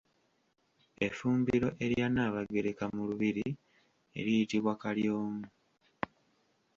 Effumbiro erya Nnaabagereka mu lubiri liyitibwa Kalyomu.